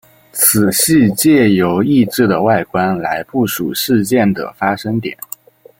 此系藉由异质的外观来部署事件的发生点。